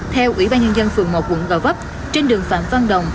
theo ủy ban nhân dân phường một quận gò vấp trên đường phạm văn đồng